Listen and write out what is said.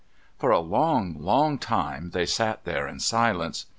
For a long, long time they sat there in silence.